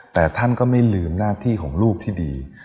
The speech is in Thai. แต่ท่านก็ไม่ลืมหน้าที่ของลูกที่ดี